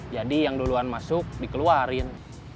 jadi yang duluan masuk dikeluarin